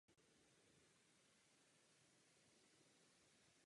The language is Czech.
V současné době je mapa součástí mapové sbírky Národního technického muzea v Praze.